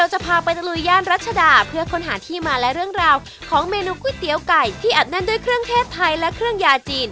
หรือเครื่องเทศไทยและเครื่องยาจีน